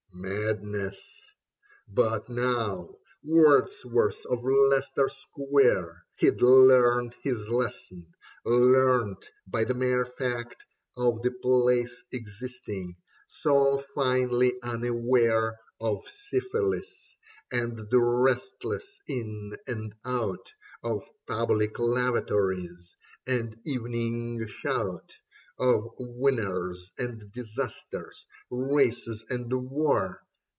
Madness ! But now, Wordsworth of Leicester Square, He'd learnt his lesson, learnt by the mere fact Of the place existing, so finely unaware Of syphilis and the restless in and out Of public lavatories, and evening shout Of winners and disasters, races and war.